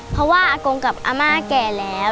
เพราะว่าอากงกับอาม่าแก่แล้ว